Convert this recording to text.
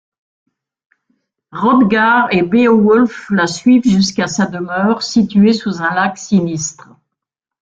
Hroðgar et Beowulf la suivent jusqu'à sa demeure, située sous un lac sinistre.